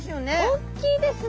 おっきいですね。